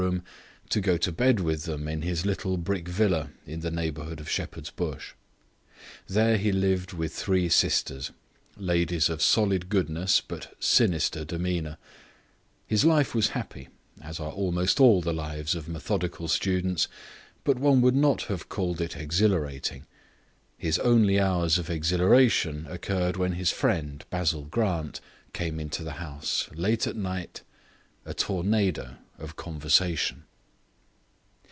room) to go to bed with them in his little brick villa in the neighbourhood of Shepherd's Bush. There he lived with three sisters, ladies of solid goodness, but sinister demeanour. His life was happy, as are almost all the lives of methodical students, but one would not have called it exhilarating. His only hours of exhilaration occurred when his friend, Basil Grant, came into the house, late at night, a tornado of conversation.